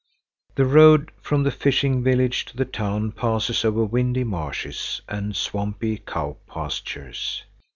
The road from the fishing village to the town passes over windy marshes and swampy cow pastures.